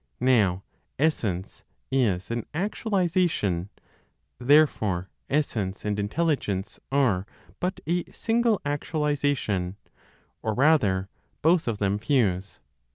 Now essence is an actualization; therefore essence and intelligence are but a single actualization, or rather both of them fuse.